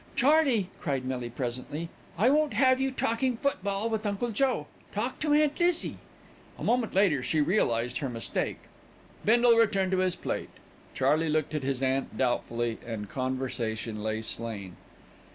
"Charley," cried Millie presently. "I won't have you talking football with Uncle Joe. Talk to Aunt Lizzie." A moment later she realized her mistake. Bindle returned to his plate, Charley looked at his aunt doubtfully, and conversation lay slain.